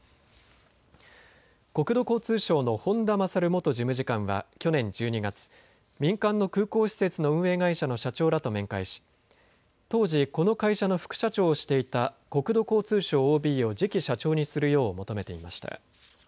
国土交通省の本田勝元事務次官は去年１２月、民間の空港施設の運営会社の社長らと面会し当時この会社の副社長をしていた国土交通省ＯＢを次期社長にするよう求めていました。